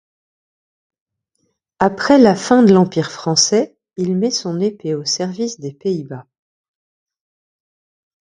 Après la fin de l'empire français il met son épée au service des Pays-Bas.